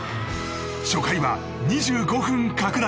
初回は２５分拡大